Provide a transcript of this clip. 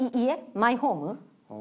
マイホーム？